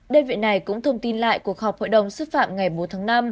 đơn vị này cũng thông tin lại cuộc họp hội đồng xứt phạm ngày bốn tháng năm